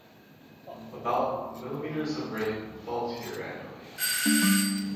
About mm of rain falls here annually.